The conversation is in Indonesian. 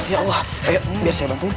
ya allah biar saya bantuin